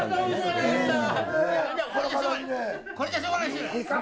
これじゃしょうがない。